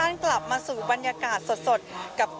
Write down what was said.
พาคุณผู้ชมไปติดตามบรรยากาศกันที่วัดอรุณราชวรรมมหาวิหารค่ะ